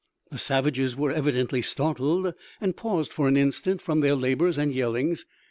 The savages were evidently startled, and paused for an instant from their labours and yellings.